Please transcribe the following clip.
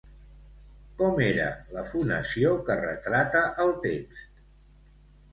Com era la fonació que retrata el text?